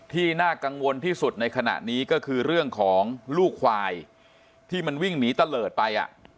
น่ากังวลที่สุดในขณะนี้ก็คือเรื่องของลูกควายที่มันวิ่งหนีตะเลิศไป